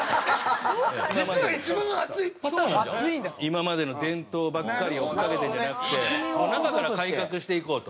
今までの伝統ばっかり追っかけてるんじゃなくて中から改革していこうと。